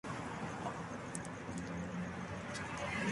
Es uno de los barrios con más densidad de población de Málaga.